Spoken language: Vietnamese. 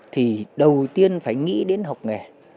thì đầu tiên phải nghĩ đến học nghề